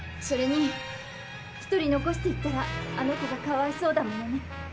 それに１人残していったらあの子がかわいそうだものね。